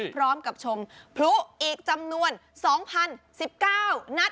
พร้อมกับชมพลุอีกจำนวน๒๐๑๙นัดปุ๊บปังเลย